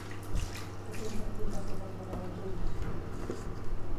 De quin partit va ser portaveu adjunta?